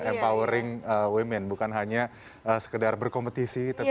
empowering women bukan hanya sekedar berkompetisi tapi juga